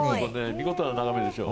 見事な眺めでしょう？